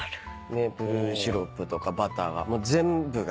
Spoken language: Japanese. メープルシロップとかバターがもう全部が。